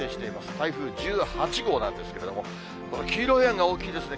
台風１８号なんですけれども、この黄色い円が大きいですね。